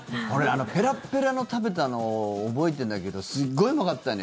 ペラッペラの食べたのを覚えてんだけどすっごいうまかったよね